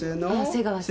瀬川さん。